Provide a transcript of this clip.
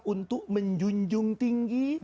untuk menjunjung tinggi